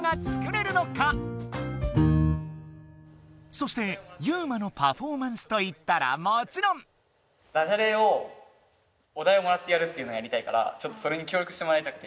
そしてユウマのパフォーマンスといったらもちろん！っていうのやりたいからちょっとそれに協力してもらいたくて。